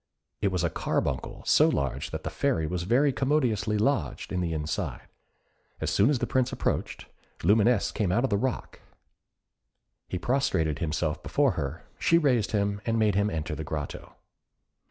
It was a carbuncle, so large that the Fairy was very commodiously lodged in the inside. As soon as the Prince approached, Lumineuse came out of the rock; he prostrated himself before her, she raised him, and made him enter the grotto.